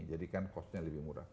jadi kan cost nya lebih murah